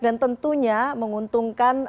dan tentunya menguntungkan